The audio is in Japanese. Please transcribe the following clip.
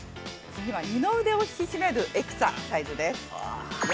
次は二の腕を引き締めるエクササイズです。